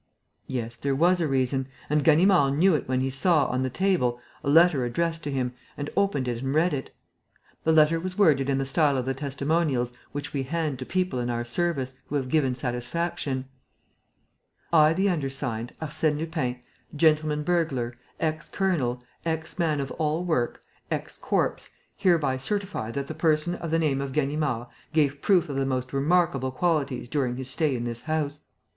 Yes, there was a reason; and Ganimard knew it when he saw, on the table, a letter addressed to himself and opened it and read it. The letter was worded in the style of the testimonials which we hand to people in our service who have given satisfaction: "I, the undersigned, Arsène Lupin, gentleman burglar, ex colonel, ex man of all work, ex corpse, hereby certify that the person of the name of Ganimard gave proof of the most remarkable qualities during his stay in this house.